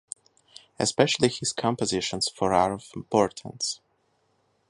Especially his compositions for are of importance.